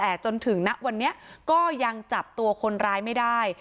แต่จนถึงณวันนี้ก็ยังจับตัวคนร้ายไม่ได้